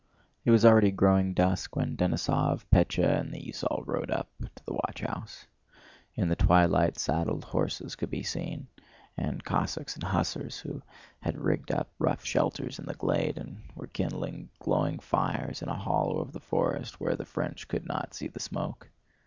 It was already growing dusk when Denísov, Pétya, and the esaul rode up to the watchhouse. In the twilight saddled horses could be seen, and Cossacks and hussars who had rigged up rough shelters in the glade and were kindling glowing fires in a hollow of the forest where the French could not see the smoke.